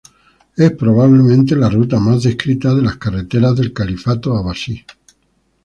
Es probablemente la ruta más descrita de las carreteras del califato abasí.